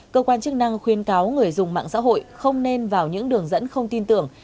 cơ quan chức năng khuyên cáo người dùng mạng xã hội không nên vào những đường dẫn không tin tưởng